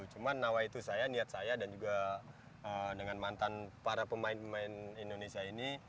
cuma nawaitu saya niat saya dan juga dengan mantan para pemain pemain indonesia ini